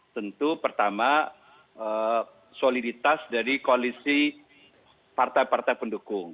tentu pertama soliditas dari koalisi partai partai pendukung